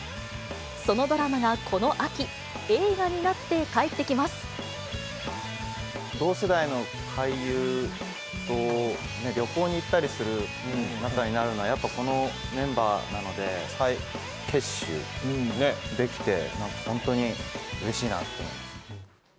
そのドラマがこの秋、同世代の俳優と旅行に行ったりする仲になるのは、やっぱこのメンバーなので、再結集できて、本当にうれしいなと思います。